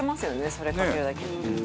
それかけるだけで。